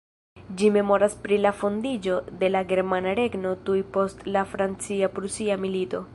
Ĝi memoras pri la fondiĝo de la Germana regno tuj post la Francia-Prusia Milito.